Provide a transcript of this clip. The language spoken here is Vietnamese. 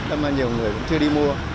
tất cả nhiều người cũng chưa đi mua